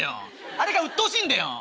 あれがうっとうしいんだよ。